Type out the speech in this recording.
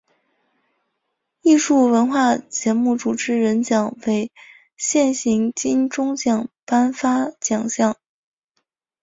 艺术文化节目主持人奖为现行金钟奖颁发奖项。